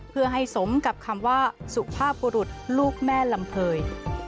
เพื่อให้สมกับคำว่าสุภาพบุรุษลูกแม่ลำเภย